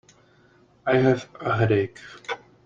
I have a headache.